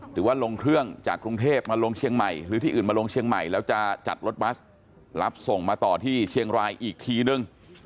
หรือว่าลงเครื่องจากกรุงเทพมาลงเชียงใหม่หรือที่อื่นมาลงเชียงใหม่แล้วจะจัดรถบัสรับส่งมาต่อที่เชียงรายอีกทีนึง